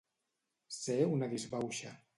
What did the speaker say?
Ser una disbauxa.